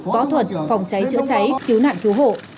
võ thuật phòng cháy chữa cháy cứu nạn cứu hộ